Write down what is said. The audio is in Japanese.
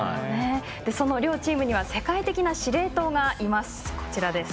両チームには世界的な司令塔がいます。